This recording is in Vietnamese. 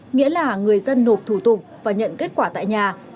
nghĩa là người dân nộp thủ tục và nhận kết quả tại nhà